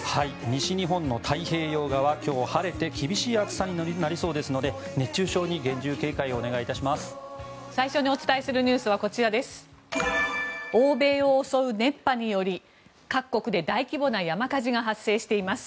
西日本の太平洋側今日は晴れて厳しい暑さになりそうですので熱中症に厳重警戒をお願いいたします。